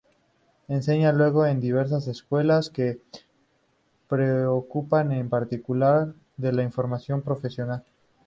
Enseña luego en diversas escuelas, que se preocupan en particular de la información profesional.